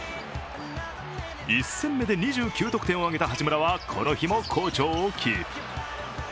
１戦目で２９得点を挙げた八村はこの日も好調をキープ。